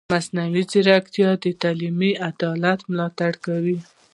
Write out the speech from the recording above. مصنوعي ځیرکتیا د تعلیمي عدالت ملاتړ کوي.